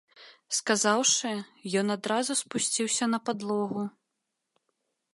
Сказаўшы, ён адразу спусціўся на падлогу.